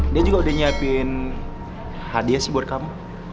dia juga udah nyiapin hadiah sih buat kamu